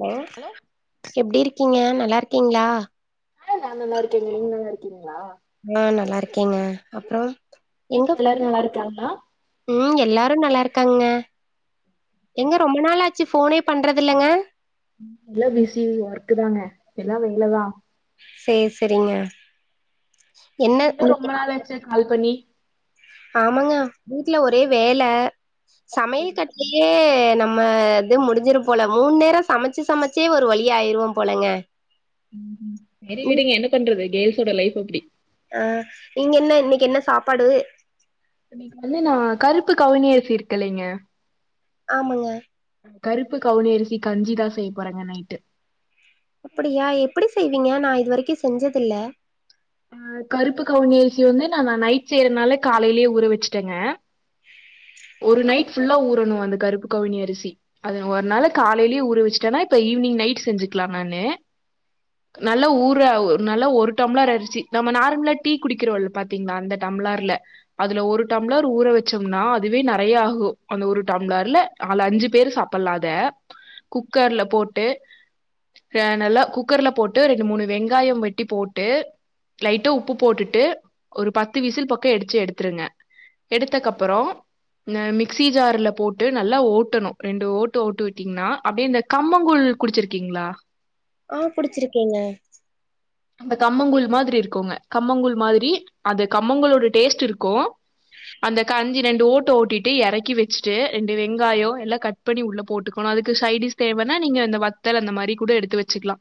hello எப்டி இருக்கீங்க நல்லா இருக்கீங்களா ஆ நா நல்லா இருக்க நீங்க நல்லா இருக்கீங்களா ஆ நல்லா இருக்கேங்க அப்பறம் வீட்ல எல்லாரு நல்லா இருக்காங்களா ம் எல்லாரும் நல்லா இருக்காங்க எங்க ரொம்ப நாளாச்சு ஃபோனே பண்றதில்லங்க இல்லா பிஸி ஒர்க் தாங்க எல்லா வேல தான் செர் செரிங்க நீங்க ரொம்ப நாள் ஆச்சு கால் பண்ணி ஆமாங்க வீட்ல ஒரே வேல சமையல் கட் இதுலயே நம்ம இது முடிஞ்சிரு போல மூண்நேரம் சமச்சு சமச்சே ஒரு வழி ஆயிருவோம் போலங்க செரி ம் விடுங்க என்ன பண்றது கேல்ஸ்ஸோட லைஃப் அப்டி அ நீங்க என்ன இன்னைக்கு என்ன சாப்பாடு இன்னைக்கு வந்து நான் கருப்பு கவுனி அரிசி இருக்குல்லைங்க ஆமாங்க கருப்பு கவுனி அரிசி கஞ்சிதான் செய்ய போறங்க நைட்டு அப்டியா எப்படி செய்வீங்க நான் இது வரைக்கு செஞ்சதில்ல ஆ கருப்பு கவுனி அரிசி வந்து நான் நான் நைட் செய்யறனால காலையிலேயே ஊற வச்சிட்டேங்க ஒரு நைட் ஃபுல்லா ஊறணு அந்த கருப்பு கவுனி அரிசி அது ஒரு நாள்ல காலையிலயே ஊறவச்சுட்டேன்னா இப்ப ஈவினிங் நைட் செஞ்சுக்கலாம் நானு நல்லா ஊற நல்லா ஒரு டம்ளர் அரிசி நம்ம நார்மலா டீ குடிக்கிறோல பாத்தீங்களா அந்த டம்ளர்ல அதுல ஒரு டம்ளர் ஊற வச்சோம்னா அதுவே நறையா ஆகு அந்த ஒரு டம்ளர்ல நாலு அஞ்சு பேரு சாப்ட்லா அத குக்கர்ல போட்டு நல்லா குக்கர்ல போட்டு ரெண்டு மூணு வெங்காயம் வெட்டி போட்டு லைட்டா உப்பு போட்டுட்டு ஒரு பத்து விசில் பக்கம் எடிச்சு எடுத்துருங்க எடுத்தக்கப்றோ ந மிக்சி ஜார்ல போட்டு நல்லா ஓட்டணும் ரெண்டு ஓட்டு ஓட்டு விட்டீங்கன்னா அப்டியே இந்த கம்மங்கூழ் குடிச்சிருக்கீங்களா ஆ குடிச்சிருக்கேங்க அந்த கம்மங்கூழ் மாதிரி இருக்குங்க கம்மங்கூழ் மாதிரி அது கம்மங்கூலோட டேஸ்ட் இருக்கு அந்த கஞ்சி ரெண்டு ஓட்டு ஓட்டிட்டு எறக்கி வெச்சிட்டு ரெண்டு வெங்காயோ எல்லாம் கட் பண்ணி உள்ள போட்டுக்கணு அதுக்கு சைடிஸ் தேவனா நீங்க இந்த வத்தல் அந்த மாரி கூட எடுத்து வச்சுக்கலாம்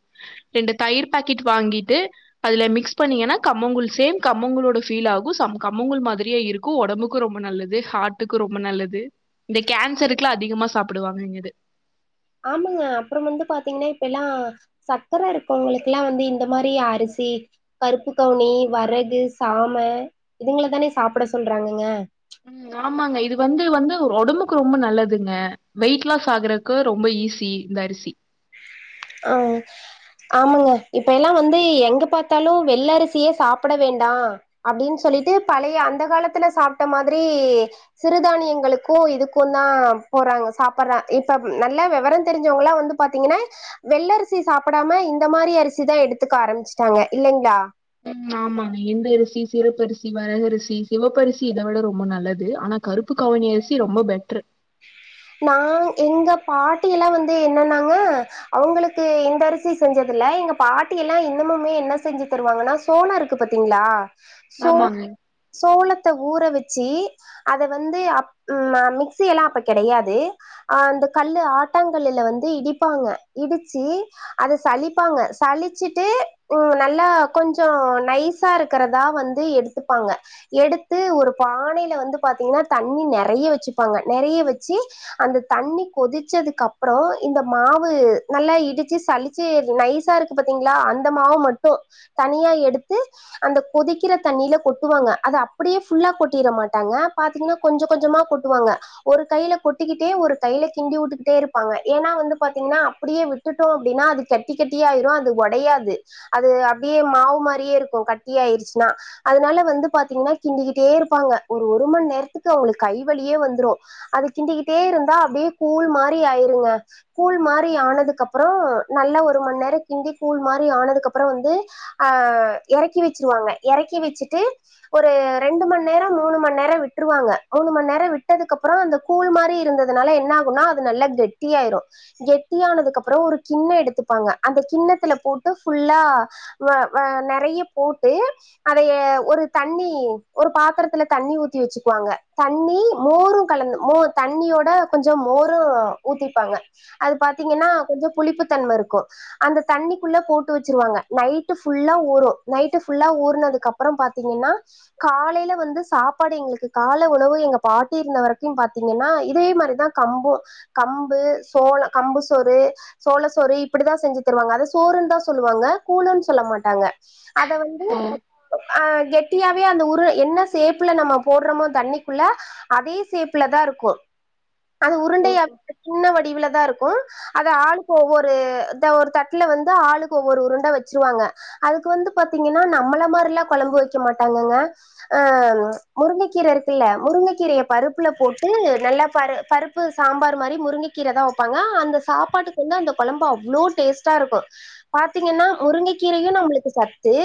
ரெண்டு தயிர் பாக்கெட் வாங்கிட்டு அதுல மிக்ஸ் பண்ணீங்கன்னா கம்மங்கூழ் சேம் கம்மங்கூளோட ஃபீல் ஆகும் சம் கம்மங்கூழ் மாதிரியே இருக் க்கு ஒடம்புக்கும் ரொம்ப நல்லது ஹாட்டுக்கும் ரொம்ப நல்லது இந்த கேன்சருக்குல்லா அதிகமா சாப்டுவாங்க இது ஆமாங்க அப்றம் வந்து பாத்தீங்ன்னா இப்ப எல்லா சக்கர இருக்கவங்களுக்ல்லாம் வந்து இந்த மாரி அரிசி கருப்பு கவுனி வரகு சாம இதுங்களதான சாப்ட சொல்றாங்கங்க ஆமாங்க இது வந்து வந்து ஒடம்புக்கு ரொம்ப நல்லதுங்க வெயிட் லாஸ் ஆகுறக்கு ரொம்ப ஈஸி இந்த அரிசி ஓ ஆமாங்க இப்ப எல்லா வந்து எங்க பாத்தாலும் வெள்ளரிசியே சாப்ட வேண்டா அப்டின்னு சொல்லிட்டு பழைய அந்த காலத்துல சாப்ட மாதிரி சிறுதானியங்களுக்கு இதுக்கு தா போறாங்க சாப்படுறாங் இப்ப நல்ல வெவரோ தெரிஞ்சவங்களா வந்து பாத்தீங்ன்னா வெள்ள அரிசி சாப்டாம இந்த மாரி அரிசிதா எடுத்துக்க ஆரமிச்சுட்டாங்க இல்லைங்ளா ம் ஆமாங்க எந்தரிசி சிவப்பரிசி வரகரிசி சிவப்பரிசி இத விட ரொம்ப நல்லது ஆனா கருப்பு கவுணி அரிசி ரொம்ப பெட்ரு நா எங்க பாட்டியெல்லா வந்து என்னென்னாங்க அவங்களுக்கு இந்த அரிசி செஞ்சதுல்ல எங்க பாட்டி எல்லா இன்னமுமே என்ன செஞ்சு தருவாங்கன்னா சோளோ இருக்கு பாத்தீங்ளா சோ ஆமாங்க இப்போ சோளத்த ஊற வச்சு அத வந்து அப் ம் மிக் மிக்ஸி எல்லா அப்ப கெடையாது அ அந்த கல்லு ஆட்டாங்கல்லுல வந்து இடிப்பாங்க இடிச்சி அத சளிப்பாங்க சளிச்சுட்டு உ நல்லா கொஞ்சோ நைஸ் நைஸா இருக்கிறதா வந்து எடுத்துப்பாங்க எடுத்து ஒரு பானைல வந்து பாத்தீங்ன்னா தண்ணி நெறைய வச்சுப்பாங்க நெறைய வச்சு அந்த தண்ணி கொதிச்சதுக்கு அப்றோ இந்த மாவு நல்லா இடிச்சு சளிச் ச்சு நைசா இருக்கு பாத்தீங்ளா அந்த மாவு மட்டு தனியா எடுத்து அந்த கொதிக்கிற தண்ணில கொட்டுவாங்க அது அப்டியே புல்லா கொட்டிற மாட்டாங்க பாத்தீங்ன்னா கொஞ்ச கொஞ்சமா கொட் வாங்க ஒரு கையில கொட்டிக்கிட்டே ஒரு கையில கிண்டி வுட்டுகிட்டே இருப்பாங்க ஏனா வந்து பாத்தீங்ன்னா அப்டியே விட் விட்டுட்டோ அப்டின்னா அது கட்டி கட்டியாயிரு அது ஒடையாது அது அப்டியே மாவு மாரியே இருக்கு கட்டி ஆயிடுச்சுனா அதுனால வந்து பாத்தீங்ன்னா கிண்டிக்கிட்டே இருப்பாங்க ஒரு ஒரு மண்நேரத்துக்கு அவங்களுக்கு கை வழியே வந்துரு அது கிண்டிக்கிட்டே இருந்தா அப்டியே கூழ் மாரி ஆயிருங்க கூழ் மாரி ஆனதுக்கு அப்றோ நல்ல ஒரு மண்நேரம் கிண்டி கூழ் மாரி ஆனதுக்கு அப்றோ வந்து அ எறக்கி வச்சிருவாங்க எறக்கி வச்சுட்டு ஒரு ரெண்டு மண்நேரம் மூனு மண்நேரம் விட்டுருவாங்க மூனு மண்நேரம் விட்டதுக்கு அப்பறோ அந்த கூழ் மாரி இருந்ததுனால என்ன ஆகுனா அது நல்லா கெட்டியாயிரு கெட்டியானதுக்கு அப்றோ ஒரு கிண்ணோ எடுத்துப்பாங்க அந்த கிண்ணத்துல போட்டு ஃபுல்லா வ வ நெறைய போட்டு அதையே ஒரு தண்ணி ஒரு பாத்தரத்துல தண்ணி ஊத்தி வச்சுக்குவாங்க தண்ணி மோரு கலந்து மோ தண்ணியோட கொஞ்சோ மோரு ஊத்திப்பாங்க அது பாத்தீங்கன்னா கொஞ்சோ புளிப்புத்தன்ம இருக்கு அந்த தண்ணிக்குள்ள போட்டு வச்சுருவாங்க நைட்டு ஃபுல்லா ஊரு நைட்டு ஃபுல்லா ஊறுனதுக்கு அப் அப்றோ பாத்தீங்கன்னா காலைல வந்து சாப்பாடு எங்களுக்கு கால உணவு எங்க பாட்டி இருந்த வரைக்கு பாத்தீங்கன்னா இதே மாரிதா கம்பு கம்பு சோள் கம்பு சோறு சோழசோறு இப்டிதா செஞ்சு தருவாங்க அத சோறுன்னு தா சொல்லுவாங்க கூலுன்னு சொல்ல மாட்டாங்க அத வந் ம் அ கெட்டியாவே அந்த உருள என்ன சேப்புல நம்ம போடறோமோ தண்ணிக்குள்ள அதே சேப்புல தா இருக்கு அது உருண்டைய சின்ன வடிவுல தா இருக்கு அத ஆளுக்கு ஒவ்வொரு இந்த ஒரு தட்டுல வந்து ஆளுக்கு ஒவ்வொரு உருண்ட வச்சிருவாங்க அதுக்கு வந்து பாத்தீங்கனா நம்மள மாறிலா கொழம்பு வைக்க மாட்டாங்கங்க ஆ முருங்கக்கீர இருக்குல முருங்க கீரைய பருப்புல போட்டு நல்ல பரு பருப்பு சாம்பார் மாறி முருங்க கீர தா வெப்பாங்க அந்த சாப்பாட்டுக் வந்து அந்த கொழம்பு அவ்ளோ டேஸ்ட்டா இருக்கு பாத்தீங்கனா முருங்கக்கீரையு நம்ளுக்கு சத்து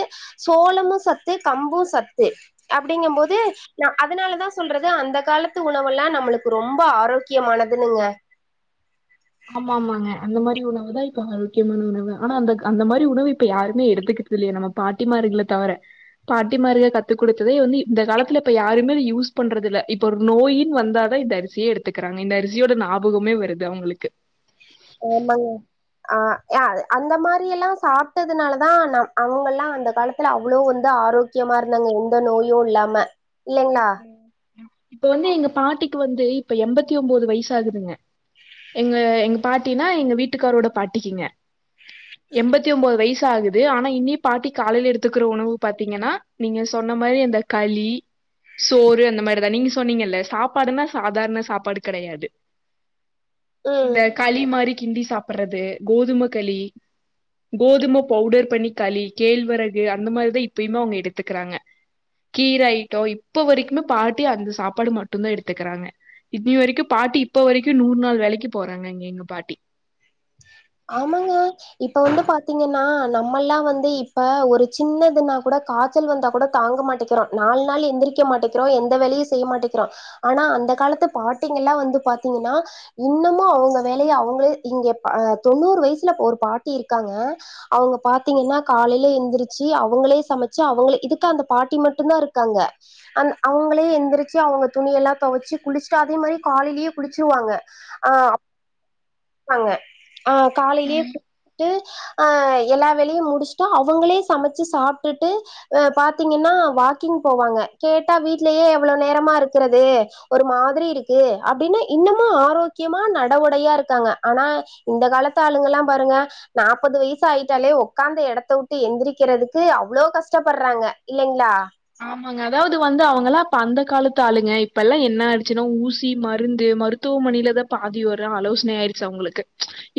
சோளமு சத்து கம்பு சத்து அப்டிங்கம் போது நா அதனாலதா சொல்றே அதா அந்த காலத்து உணவெல்லா நம்மளுக்கு ரொம்ப ஆரோக்கியமானதுனுங்க ஆமா ஆமாங்க அந்த மாரி உணவு தா இப்ப ஆரோக்கியமான உணவு ஆனா அந்தக் அந்த மாரி உணவு இப்ப யாருமே எடுத்துக்கிட் இல்லையே நம்ம பாட்டிமார்கள தவர பாட்டி மார்க கத்து குடுத்ததே வந்து இந்த காலத்துல இப்ப யாருமே யூஸ் பண்றதில்ல இப்ப ஒரு நோயுன் வந்தாதா இந்த அரி சியே எடுத்துக்குறாங்க இந்த அரிசியோட ஞாபகமே வருது அவ்ங்ளுக்கு ஆமாங்க ஆ யா அந்த மாரியெல்லா சாப்டதுனாலதா ந அவ்ங்கள்லா அந்த காலத்துல அவ்ளோ வந்து ஆரோக் கியமா இருந்தாங்க எந்த நோயு இல்லாம இல்லைங்களா இப்ப வந்து எங்க பாட்டிக்கு வந்து இப்ப எப்பத்தி ஒம்போது வயசு ஆகுதுங்க எங்க எங்க பாட்டினா எங்க வீட்டுக்காரோட பாட்டிக்குங்க [inaudible] எம்பத்தி ஒம்போது வயசு ஆகுது ஆனா இன்னி பாட்டி காலைல எடுத்துக்குற உணவு பாத்தீங்கனா நீங்க சொன்ன மாரி அந்த களி சோறு அந்த மாரிதா நீங்க சொன்னீங்கல்ல சாப்பாடுனா சாதாரண சாப்பாடு கெடையாது ம் இந்த களி மாரி கிண்டி சாப்புட்றது கோதும களி கோதும பவுடர் பண்ணி களி கேழ்வரகு அந்த மாரிதா இப்பயுமே அவ்ங்க எடுத்துக்குறாங்க கீர ஐட்டொ இப்ப வரைக்குமே பாட்டி அந்த சாப்பாடு மட்டுதா எடுத்துக்குறாங்க இன்னை வரைக்கு பாட்டி இப்ப வரைக்கு நூறு நாள் வேலைக்கு போறாங்க இங்க எங்க பாட்டி ஆமாங்க இப்ப வந்து பாத்தீங்கனா நம்மல்லா வந்து இப்ப ஒரு சின்னதுனா கூட காச்சல் வந்தா கூட தாங்க மாட்டிக் றோ நாலு நாள் எந்திரிக்க மாட்டிக்றோ எந்த வேலையு செய்ய மாட்டிக்றோ ஆனா அந்த காலத்து பாட்டிங்கலா வந்து பாத்தீங்கனா இன்னமு அவ்ங்க வேலைய அவ்ங்ளே இங்க எ அ தொண்ணூறு வயசுல ஒரு பாட்டி இருக்காங்க அவ்ங்க பாத்தீங்கனா காலைல எந்திரிச்சு அவுங்களே சமைச்சு அவுங்களே இதுக்கு அந்த பாட்டி மட்டுந்தா இருக்காங்க அந் அவங்களே எந்திரிச்சி அவ்ங்க துணியெல்லா தொவச்சு குளிச்ட்டு அதே மாரி காலைலயே குளிச்சிருவாங்க ஆ ஆமாங்க ஆ காலைலயே ட்டு அ எல்லா வேலையு முடிச்ட்டு அவுங்ளே சமைச்சு சாப்டுட்டு அ பாத்தீங்கனா வாக்கிங் போவாங்க கேட்டா வீட்லயே எவளோ நேரமா இருக்குறது ஒரு மாதிரி இருக்கு அப்டினு இன்னமு ஆரோக்கியமா நடவுடையா இருக்காங்க ஆனா இந்த காலத்து ஆளுங்கலா பாருங்க நாப்பது வயசு ஆயிட்டாலே ஒக்காந்த எடத்த விட்டு எந்திரிக்கிறதுக்கு அவ்ளோ கஷ்டப்பட்றாங்க இல்லைங்ளா ஆமாங்க அதாவ்து வந்து அவுங்களா அப்ப அந்த காலத்து ஆளுங்க இப்பலா என்ன ஆயிடுச்சுனா ஊசி மருந்து மருத் த்துவமனைல தா பாதி ஒரு ஆலோசனை ஆயிருச்சு அவுங்களுக்கு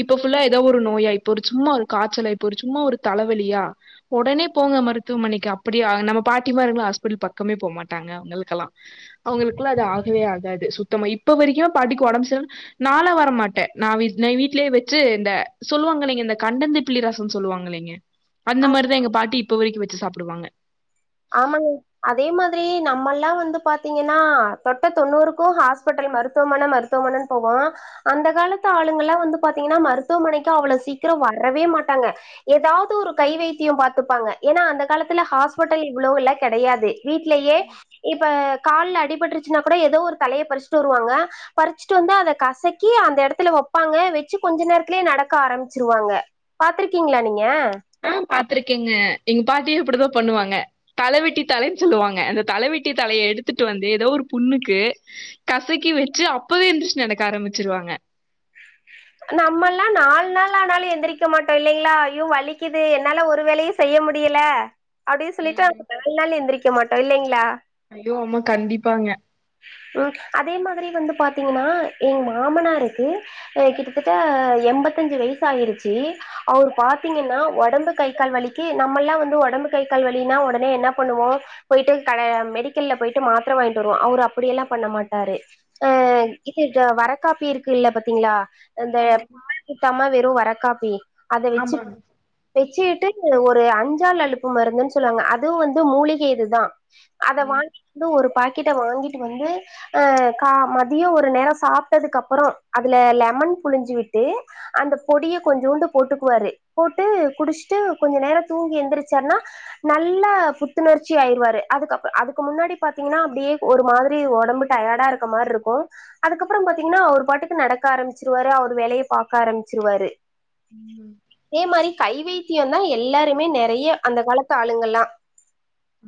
இப்ப ஃபுல்லா எதோ ஒரு நோயா இப்போ ஒரு சும்மா ஒரு காச்சல இப்போ ஒரு சும்மா ஒரு தலவலியா ஒடனே போங்க மருத்துவமனைக்கு அப்டியா நம்ம பாட் ட்டிமார்களா ஹாஸ்பிட்டல் பக்கமே போமாட்டாங்க அவ்ங்களுக்கெல்லா அவ்ங்களுகெல்லா எது ஆகவே ஆகாது சுத்தமா இப்ப வரைக்குமே பாட்டிக்கு ஒடம்பு செரில் நாலா வரமாட்டே நா வீட் நை வீட்லயே வெச்சு இந்த சொல்லுவாங்கல்லைங்க இந்த கண்டந்திப்பிளி ரசன் சொல்வாங்கல்லைங்க ஆ அந்த மாரிதா எங்க பாட்டி இப்ப வரைக்கு வெச்சு சாப்டுவாங்க ஆமாங்க அதே மாதிரி நம்மல்லா வந்து பாத்தீங்கனா தொட்ட தொண்ணூறுக்கு ஹாஸ்பிட்டல் மருத்துவமன மருத் த்துவமனன் போவோ அந்த காலத்து ஆளுங்கல்லா வந்து பாத்தீங்கனா மருத்துவமனைக்கு அவளோ சீக்கிர வரவே மாட்டாங்க எதாவ்து ஒரு கை வைத்திய பாத்துப்பாங்க ஏனா அந்த காலத்துல ஹாஸ்பிட் மக்கள் இவ்ளோவ்ல்லா கெடயாது வீட்லயே இப்ப கால்ல அடிபட்ருச்சுன்னா கூட ஏதோ ஒரு களய பறிஸ்ட்டு வருவாங்க பறிச்சுட்டு வந்து அத கசக்கி அந்த எடத்துல வெப்பாங்க வெச்சு கொஞ்ச நேரத்துலயே நடக்க ஆரம்பிச்சிருவாங்க பாத்திருக்கீங்ளா நீங்க ஆ பாத்திருக்கேங்க எங்க பாட்டியு இப்டுதா பண்ணுவாங்க தலவெட்டி தலன் சொல்லுவாங்க அந்த தலவெட்டி தலய எடுத்துட்டு வந்து ஏதோ ஒரு புண்ணுக்கு கசக்கி வெச்சு அப்பவே எந்துருச்சு நடக்க ஆரம்பிச்சிருவாங்க [unintelligible] நம்மள்ளா நால் நாள் ஆனாலு எந்திரிக்க மாட்டோ இல்லைங்ளா ஐயோ வலிக்கிது என்னால ஒரு வேலயு செய்ய முடியல அப்டி சொல்லிட்டு ரெண்டு நாள் எந்திரிக்க மாட்டோ இல்லைங்ளா ஐயோ அமா கண்டிப்பாங்க ம் அதே மாதிரி வந்து பாத்தீங்கன்னா எங் மாமனாருக்கு அ கிட்டத்தட்ட எண்பத்தஞ்சு வயசு ஆயிருச்சு அவரு பாத்தீங்கன்னா ஒடம்பு கை கால் வலிக் கி நம்மல்லா வந்து ஒடம்பு கை கால் வலின்னா ஒடனே என்ன பண்ணுவோ போய்ட்டு கட மெடிக்கெல்ல போய்ட்டு மாத்ர வாய்ங்ட்டு வருவோ அவுரு அப் அப்டியெல்லா பண்ண மாட்டாரு ஆ இது வர காப்பி இருக்கு இல்ல பத்திங்ளா இந்த ஆமாங்க பால் ஊத்தாம வெறு வரக்காப்பி அத வெச்சு ஆமாங்க வெச்சுக்கிட்டு ஒரு அஞ்சால் அலுப்பு மருந்துன் சொல்வாங்க அதுவும் வந்து மூலிகை இதுதா அத வாங்கிட்டு ந்து ஒரு பாக்கெட்ட வாங்கிட்டு வந்து அ கா மதியோ ஒரு நேரோ சாப்ட்டதுக்கு அப்பறோ அதுல லெமன் புழிஞ்சு விட்டு அந்த பொடிய கொஞ்சூண்டு போட்டுக்குவாரு போட்டு குடிஸ்ட்டு கொஞ்ச நேரோ தூங்கி எந்திரிச்சாருனா நல்ல புத்துணர்ச்சி ஆயிருவாரு அதுக்கப் அதுக்கு முன்னாடி பாத்தீங்ன்னா அப்டியே ஒரு மாதி ரி ஒடம்பு டயாடா இருக்க மார்ருக்கோ அதுக்கப்றோ பாத்தீங்ன்னா அவுரு பாட்டுக்கு நடக்க ஆரம்பிச்சிருவாரு அவுரு வேலய பாக்க ஆரம்பிச்சிருவாரு ம் அதே மாரி கைவைத்தியந்தா எல்லாருமே நெறைய அந்த காலத்து ஆளுங்கள்லா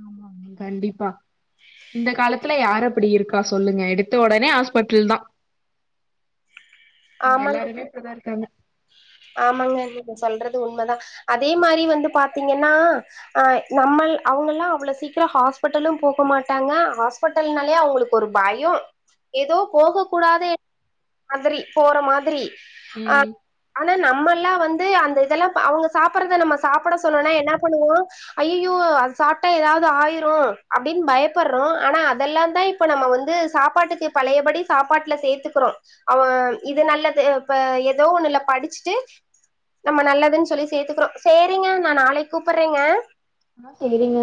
ஆமாங்க கண்டிப்பா இந்த காலத்துல யாரு அப்படி இருக்கா சொல்லுங்க எடுத்த ஒடனே ஹாஸ்பட்டுல் தா ஆமா எல்லாருமே இப்டிதா இருக்காங்க ஆமாங்க நீங்க சொல்றது உண்மதா அதே மாரி வந்து பாத்தீங்கன்னா அ நம்மள் அவுங்கல்லா அவ்ளோ சீக்கிரோ ஹாஸ்பெட்டலும் போக மாட்டாங்க ஹாஸ் பட்டல்னாலே அவுங்குளுக் ஒரு பயோ ஏதோ போக கூடாத எ மாதிரி போற மாதிரி அ ம் ஆனா நம்மல்லா வந்து அந்த இதெல்லா பா அவுங்க சாப்புறத நம்ம சாப்புட சொன்னோனா என்ன பண்ணுவோ அய்யிய்யோ அது சாப்ட்டா எதாவ்து ஆயிரோ அப்டின் பயப்பறோ ஆனா அதெல்லாந்தா இப்ப நம்ம வந்து சாப்பாட்டுக்கு பழயபடி சாப்பாட்ல சேத்துக்குறோ அவ இது நல்லது இப்ப எதோ ஒண்ணுலப் படிசுட்டு நம்ம நல்லதுன்னு சொல்லி சேத்துக்குறோ சேரிங்க நா நாளைக் கூப்புறேங்க ஆ சேரிங்க